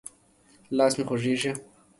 لاس مې خوږېږي.